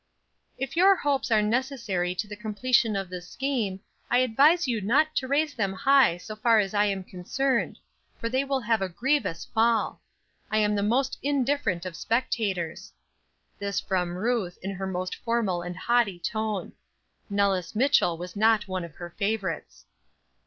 "If your hopes are necessary to the completion of this scheme, I advise you not to raise them high so far as I am concerned, for they will have a grievous fall. I am the most indifferent of spectators." This from Ruth, in her most formal and haughty tone. Nellis Mitchell was not one of her favorites.